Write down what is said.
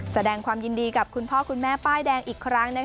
แสดงความยินดีกับคุณพ่อคุณแม่ป้ายแดงอีกครั้ง